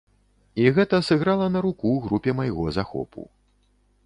І гэта сыграла на руку групе майго захопу.